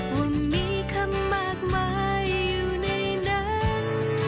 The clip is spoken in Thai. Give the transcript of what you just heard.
ว่ามีคำมากมายอยู่ในนั้น